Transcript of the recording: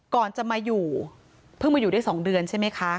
ก่อนจะมาอยู่เพิ่งมาอยู่ได้๒เดือนใช่ไหมคะ